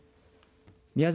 宮崎